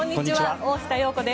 大下容子です。